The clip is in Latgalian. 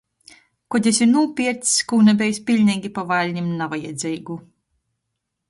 Kod esi nūpiercs kū nabejs piļneigi pa valnim navajadzeigu.